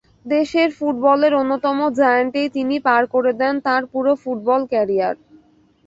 দেশের ফুটবলের অন্যতম জায়ান্টেই তিনি পার করে দেন তাঁর পুরো ফুটবল ক্যারিয়ার।